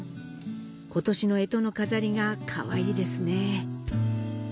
ことしの干支の飾りがかわいいですね。